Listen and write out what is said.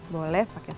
boleh pakai sambel